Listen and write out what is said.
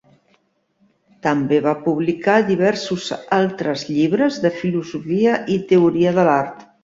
També va publicar diversos altres llibres de filosofia i teoria de l'art.